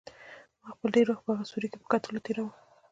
ما خپل ډېر وخت په هغه سوري کې په کتلو تېراوه.